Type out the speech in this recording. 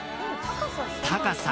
高さ